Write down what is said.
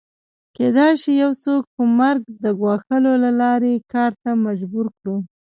کېدای شي یو څوک په مرګ د ګواښلو له لارې کار ته مجبور کړو